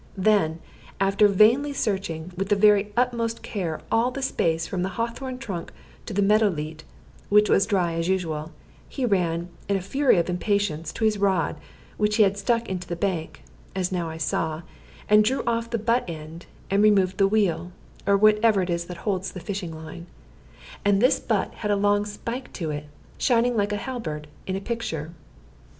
Then, after vainly searching with the very utmost care all the space from the hawthorn trunk to the meadow leet (which was dry as usual), he ran, in a fury of impatience, to his rod, which he had stuck into the bank, as now I saw, and drew off the butt end, and removed the wheel, or whatever it is that holds the fishing line; and this butt had a long spike to it, shining like a halberd in a picture.